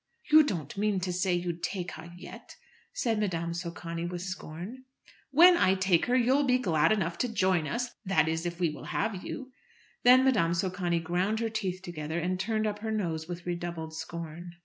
"You don't mean to say you'd take her yet?" said Madame Socani, with scorn. "When I take her you'll be glad enough to join us; that is, if we will have you." Then Madame Socani ground her teeth together, and turned up her nose with redoubled scorn.